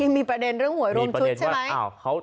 มีประเด็นเรื่องหวยรวมชุดใช่ไหม